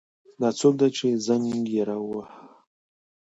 دا څوک ده چې زنګ یې را وهي